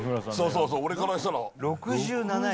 そうそう俺からしたら６７位？